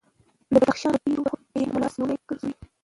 د بدخشان په ډېرو برخو کې مو لاس نیولي ګرځوي.